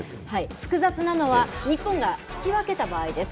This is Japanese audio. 複雑なのは、日本が引き分けた場合です。